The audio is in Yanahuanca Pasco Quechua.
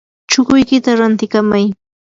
chukuykita rantikamay.